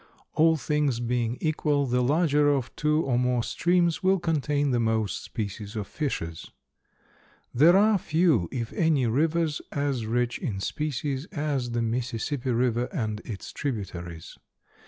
All things being equal, the larger of two or more streams will contain the most species of fishes. There are few, if any, rivers as rich in species as the Mississippi river and its tributaries.